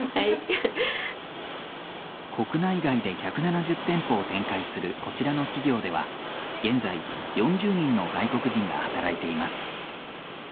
国内外で１７０店舗を展開するこちらの企業では現在４０人の外国人が働いています。